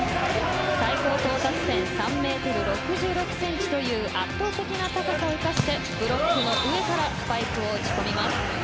最高到達点３ｍ６６ｃｍという圧倒的な高さを生かしてブロックの上からスパイクを打ち込みます。